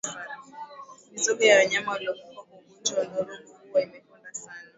Mizoga ya wanyama waliokufa kwa ugonjwa wa ndorobo huwa imekonda sana